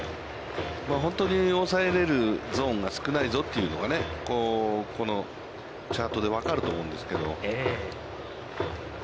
本当に抑えれるゾーンが少ないぞというのがね、このチャートで分かると思うんですけど。